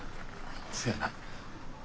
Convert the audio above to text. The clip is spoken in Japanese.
そやな。